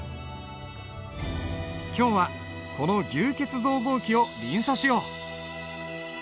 今日はこの「牛造像記」を臨書しよう。